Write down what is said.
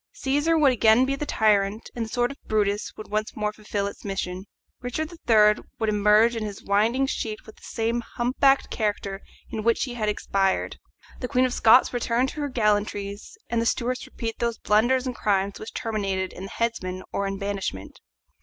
Cæsar would again be the tyrant, and the sword of Brutus would once more fulfil its mission. Richard III. would emerge in his winding sheet with the same humpbacked character in which he had expired, the Queen of Scots return warm to her gallantries, and the Stuarts repeat those blunders and crimes which terminated in the headsman or in banishment.